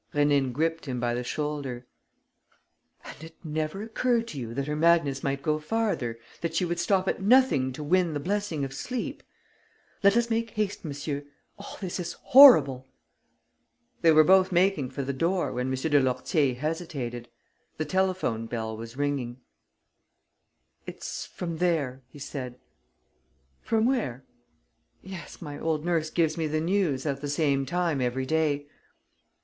Rénine gripped him by the shoulder: "And it never occurred to you that her madness might go farther, that she would stop at nothing to win the blessing of sleep! Let us make haste, monsieur! All this is horrible!" They were both making for the door, when M. de Lourtier hesitated. The telephone bell was ringing. "It's from there," he said. "From there?" "Yes, my old nurse gives me the news at the same time every day."